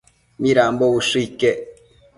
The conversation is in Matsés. Midambo ushë iquec